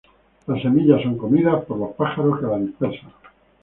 Las semillas son comidas por los pájaros que la dispersan.